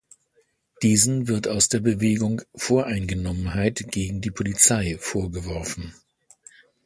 Diesen wird aus der Bewegung Voreingenommenheit gegen die Polizei vorgeworfen.